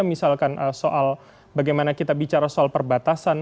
misalkan soal bagaimana kita bicara soal perbatasan